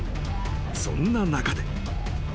［そんな中で］